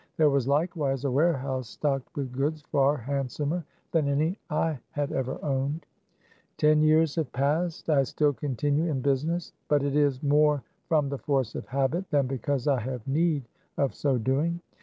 There was likewise a warehouse stocked with goods far handsomer than any I had ever owned. Ten years have passed. I still continue in Q ^, business. But it is more from the force of habit % than because I have need of so doing.